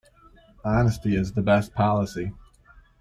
Honesty is the best policy.